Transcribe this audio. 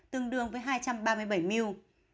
tương đương với hai trăm ba mươi bảy mưu